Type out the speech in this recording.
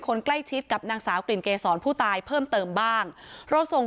คนใกล้ชิดกับนางสาวกลิ่นเกษรผู้ตายเพิ่มเติมบ้างเราส่ง